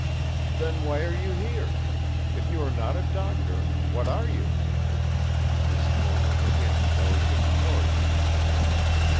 "Then why are you here? If you are not a doctor, what are you?" His tone was again more dictatorial.